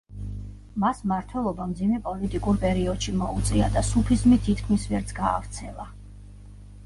მას მმართველობა მძიმე პოლიტიკურ პერიოდში მოუწია და სუფიზმი თითქმის ვერც გაავრცელა.